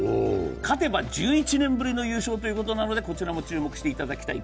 勝てば１１年ぶりの優勝なので、こちらも注目していただきたい。